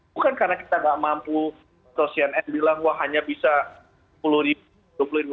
bukan karena kita tidak mampu atau cnn bilang wah hanya bisa sepuluh ribu dua puluh ribu